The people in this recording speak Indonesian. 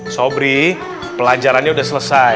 sobri pelajarannya udah selesai